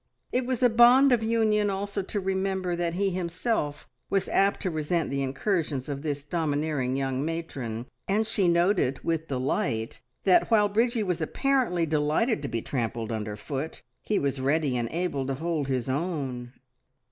It was a bond of union also to remember that he himself was apt to resent the incursions of this domineering young matron, and she noted with delight that, while Bridgie was apparently delighted to be trampled underfoot, he was ready and able to hold his own.